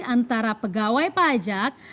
antara pegawai pajak